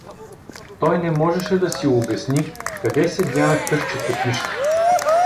Той не можеше да си обясни къде се дяна късчето книжка.